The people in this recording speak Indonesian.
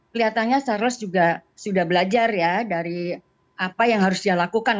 kelihatannya charles juga sudah belajar ya dari apa yang harus dia lakukan